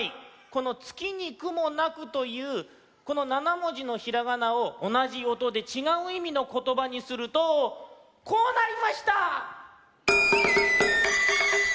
この「つきにくもなく」というこの７もじのひらがなをおなじおとでちがういみのことばにするとこうなりました！